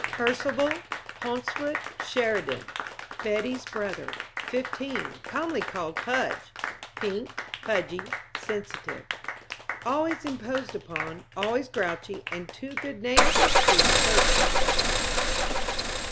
Percival Pauncefoot Sheridan.... Betty's brother, fifteen, commonly called Pudge. Pink, pudgy, sensitive; always imposed upon, always grouchy and too good natured to assert himself.